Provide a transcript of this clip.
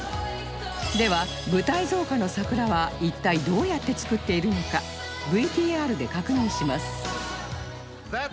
では舞台造花の桜は一体どうやって作っているのか ＶＴＲ で確認します